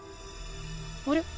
あれ？